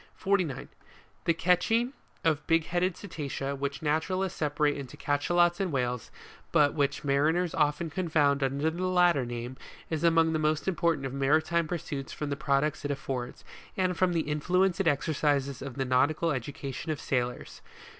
49. The catching of big headed cetacea, which naturalists separate into Cachalots and Whales, but which mariners often confound under the latter name, is among the most important of maritime pursuits from the products it affords, and from the in fluence it exercises on the nautical education of sailors.